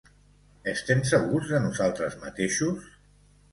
Estem segurs de nosaltres mateixos?